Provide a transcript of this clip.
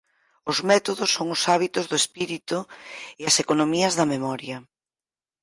Os métodos son os hábitos do espírito e as economías da memoria.